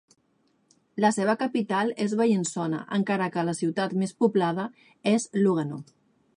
La seva capital és Bellinzona, encara que la ciutat més poblada és Lugano.